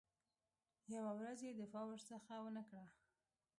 یوه ورځ یې دفاع ورڅخه ونه کړه.